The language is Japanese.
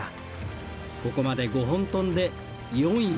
ここまで５本を跳んで４位。